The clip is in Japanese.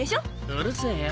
うるせぇよ！